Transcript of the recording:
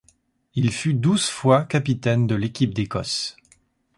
Il fut douze fois capitaine de l'équipe d'Écosse.